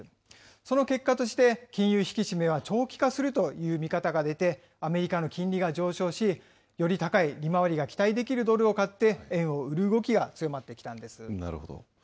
その結果として、金融引き締めは長期化するという見方が出て、アメリカの金利が上昇し、より高い利回りが期待できるドルを買って円を売る動きが強まってきたんでなるほど。